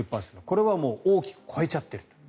これはもう大きく超えちゃっている。